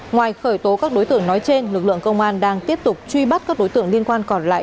ngoài khởi tố các đối tượng nói trên lực lượng công an đang tiếp tục truy bắt các đối tượng liên quan còn lại